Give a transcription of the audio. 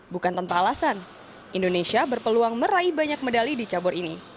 bukan tanpa alasan indonesia berpeluang meraih banyak medali di cabur ini